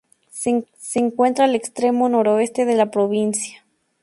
Se encuentra al extremo noreste de la provincia.